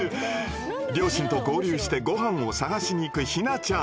両親と合流して御飯を探しに行くヒナちゃん。